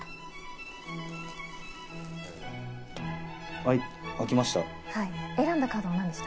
はい、開きました。